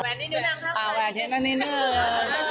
แวะนิดหนึ่งนะครับ